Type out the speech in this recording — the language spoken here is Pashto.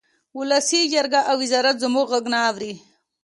ولسي جرګه او وزارت زموږ غږ نه اوري